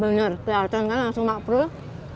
bener kelihatan kan langsung makbul